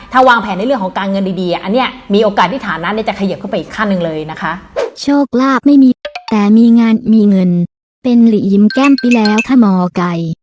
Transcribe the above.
ถ้าวางแผนในเรื่องของการเงินดีอันเนี่ยมีโอกาสที่ฐานักจะเขยิบขึ้นไปอีกขั้นนึงเลยนะคะ